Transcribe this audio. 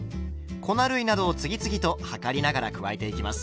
粉類などを次々と量りながら加えていきます。